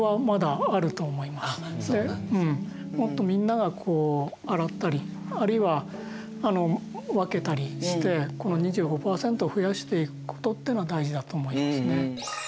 もっとみんなが洗ったりあるいは分けたりしてこの２５％を増やしていくことってのは大事だと思いますね。